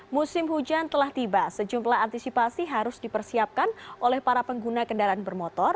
musim hujan telah tiba sejumlah antisipasi harus dipersiapkan oleh para pengguna kendaraan bermotor